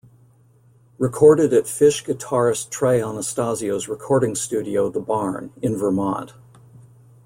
Recorded at Phish guitarist Trey Anastasio's recording studio The Barn, in Vermont.